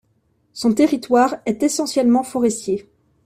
Son territoire est essentiellement forestier.